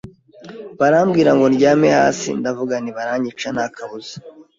Barambwira ngo ndyame hasi, ndavuga nti baranyica nta kabuza